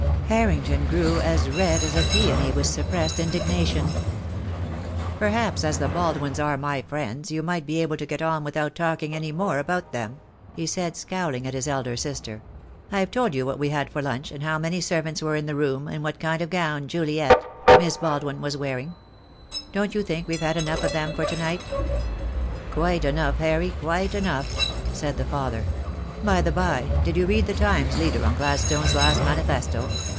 Harrington grew as red as a peony with suppressed indignation. THE DAY WILL COME. 32 1 "Perhaps as the Baldwins are my friends you might be able to get on without talking any more about them," he said, scowling at his elder sister. "I've told you what we had for lunch, and how many servants were in the room, and what kind of gown Juliet — Miss Baldwin — was wearing. Don't you think wTe've had enough of them for to night?" "Quite enough, Harry, quite enough," said the father. "By the by, did you read the Times leader on Gladstone's last manifesto?